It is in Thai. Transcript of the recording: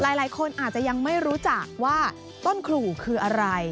หลายคนอาจจะยังไม่รู้จักว่าต้นขู่คืออะไร